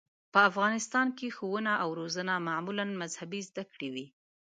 په افغانستان کې ښوونه او روزنه معمولاً مذهبي زده کړې وې.